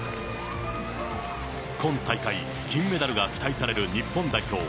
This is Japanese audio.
今大会、金メダルが期待される日本代表。